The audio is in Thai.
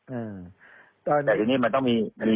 เพราะว่าตอนแรกมีการพูดถึงนิติกรคือฝ่ายกฎหมาย